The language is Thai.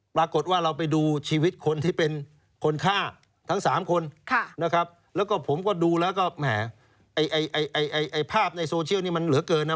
ปรากฏว่าเราไปดูชีวิตคนที่เป็นคนฆ่าทั้งสามคนนะครับแล้วก็ผมก็ดูแล้วก็แหมไอ้ภาพในโซเชียลนี้มันเหลือเกินนะ